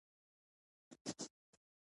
آیا مسافر به راشي؟